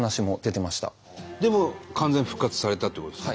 でも完全復活されたってことですか？